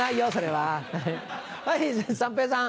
はい三平さん。